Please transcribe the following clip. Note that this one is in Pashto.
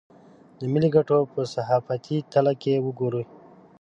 د ملي ګټو په صحافتي تله که وګوري.